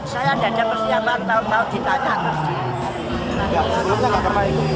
saya ada persiapan tahun tahun di tanah